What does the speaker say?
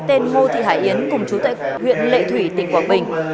tên ngô thị hải yến cùng chú tại huyện lệ thủy tỉnh quảng bình